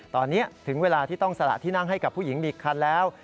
ตอนนี้ถึงเวลาที่ต้องสละที่นั่งให้กับผู้หญิงอีกคันแล้ว